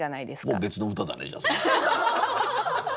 もう別の歌だねじゃあ。